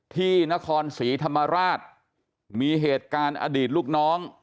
ที่นครศรีธรรมราชมีเหตุการณ์อดีตลูกน้อง